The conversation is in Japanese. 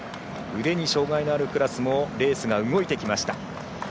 腕に障がいのあるクラスもレースが動いてきました。